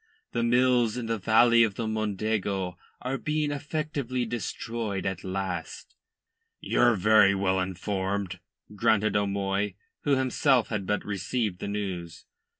The mills in the valley of the Mondego are being effectively destroyed at last." "Ye're very well informed," grunted O'Moy, who himself had but received the news.